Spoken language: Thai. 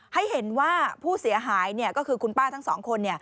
ให้เห็นว่าผู้เสียหายก็คือคุณป้าทั้งสองคน